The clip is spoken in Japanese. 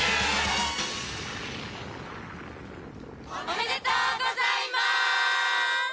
おめでとうございます！